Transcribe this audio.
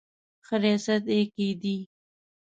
ښه ریاست یې کېدی.